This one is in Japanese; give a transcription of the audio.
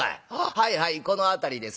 「はいはいこの辺りですよ」。